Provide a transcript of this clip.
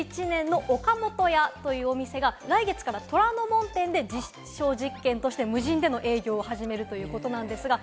創業１１１年のオカモトヤというお店が来月から虎ノ門店で実証実験として無人での営業を始めるということです。